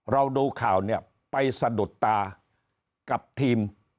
เราดูข่าวเนี่ยไปสะดุดตากับทีม